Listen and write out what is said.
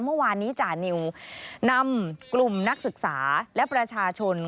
เมื่อวานนี้จานิวนำกลุ่มนักศึกษาและประชาชน